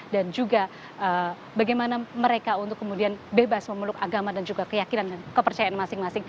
dan juga bagaimana mereka untuk kemudian bebas memeluk agama dan juga keyakinan dan kepercayaan masing masing